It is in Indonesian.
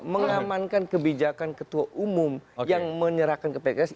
mengamankan kebijakan ketua umum yang menyerahkan ke pks